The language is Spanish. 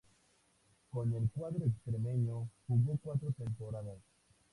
Con el cuadro extremeño jugó cuatro temporadas.